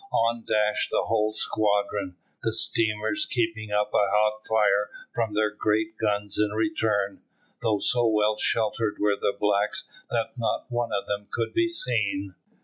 On dashed the whole squadron, the steamers keeping up a hot fire from their great guns in return, though so well sheltered were the blacks that not one of them could be seen.